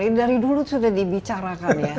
ini dari dulu sudah dibicarakan ya